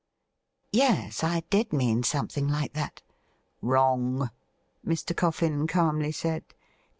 ' Yes, I did mean something like that.' ' Wrong,' Mr. Coffin calmly said.